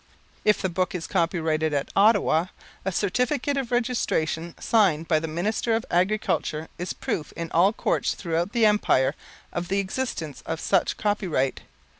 If the book is copyrighted at Ottawa, a certificate of registration signed by the Minister of Agriculture is proof in all Courts throughout the Empire of the existence of such copyright.